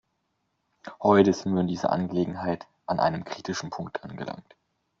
Heute sind wir in dieser Angelegenheit an einem kritischen Punkt angelangt.